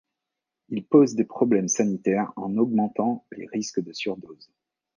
Il pose des problèmes sanitaires en augmentant les risques de surdose.